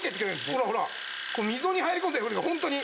ほらほらこの溝に入り込んだ汚れがホントに。